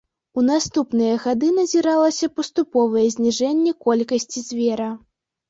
У наступныя гады назіралася паступовае зніжэнне колькасці звера.